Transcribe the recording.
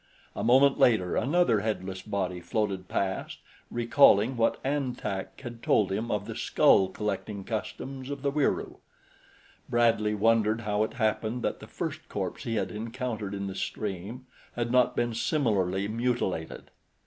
A moment later another headless body floated past, recalling what An Tak had told him of the skull collecting customs of the Wieroo. Bradley wondered how it happened that the first corpse he had encountered in the stream had not been similarly mutilated.